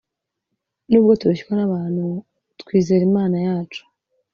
Nubwo turushywa n'abantu, twizer' Imana yacu.